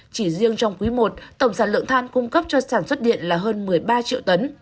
chỉ riêng trong quý i tổng sản lượng than cung cấp cho sản xuất điện là hơn một mươi ba triệu tấn